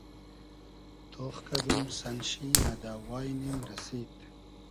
تۉخ کئدوم سئن شی مۂ دۂ واݷنیم رئسید